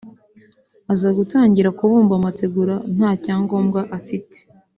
Aza gutangira kubumba amategura nta cyangombwa afite